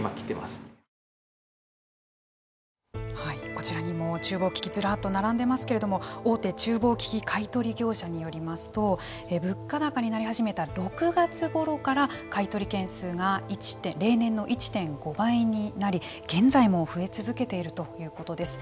こちらにもちゅう房機器ずらっと並んでいますけど大手ちゅう房機器買い取り業者によりますと物価高になり始めた６月ごろから買い取り件数が例年の１．５倍になり現在も増え続けているということです。